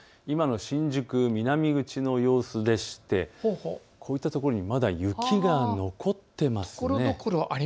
今の新宿南口の様子でしてこういったところにまだ雪が残っています。